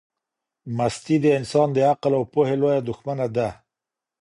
مستی د انسان د عقل او پوهي لویه دښمنه ده.